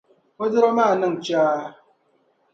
O dɔro maa niŋ chaa.